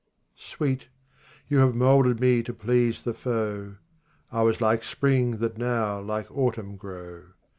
23 Sweet, you have moulded me to please the foe ; I was like spring that now like autumn grow.